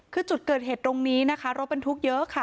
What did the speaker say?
คือจุดเกิดเหตุตรงนี้นะคะรถบรรทุกเยอะค่ะ